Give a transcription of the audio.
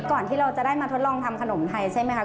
ก่อนที่เราจะได้มาทดลองทำขนมไทยใช่ไหมคะ